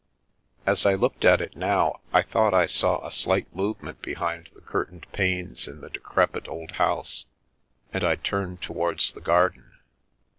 As I looked at it now, I thought I saw a slight move ment behind the curtained panes in the decrepit old house, and I turned towards the garden.